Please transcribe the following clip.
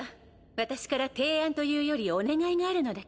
私から提案というよりお願いがあるのだけど。